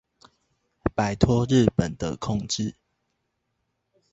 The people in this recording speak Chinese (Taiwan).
擺脫日本的控制